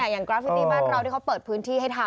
กราฟิตี้บ้านเราที่เขาเปิดพื้นที่ให้ทำ